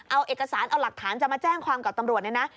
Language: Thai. เอาเอกสารเอาหลักฐานจะมาแจ้งความกับตำรวจเนี่ยนะ